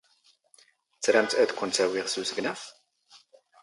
ⵜⵔⴰⵎⵜ ⴰⴷ ⴽⵯⵏⵜ ⴰⵡⵉⵖ ⵙ ⵓⵙⴳⵏⴰⴼ?